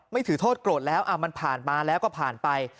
ถือโทษโกรธแล้วมันผ่านมาแล้วก็ผ่านไป